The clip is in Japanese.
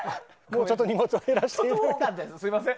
もうちょっと荷物を減らしていただいて。